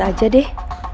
sakit aja deh